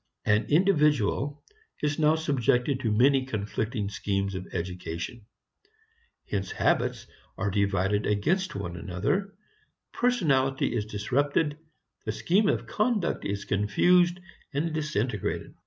An individual is now subjected to many conflicting schemes of education. Hence habits are divided against one another, personality is disrupted, the scheme of conduct is confused and disintegrated.